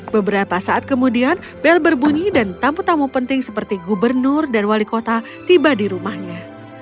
beberapa saat kemudian bel berbunyi dan tamu tamu penting seperti gubernur dan wali kota tiba di rumahnya